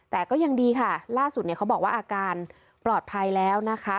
แต่ก็ยังดีค่ะล่าสุดเนี่ยเขาบอกว่าอาการปลอดภัยแล้วนะคะ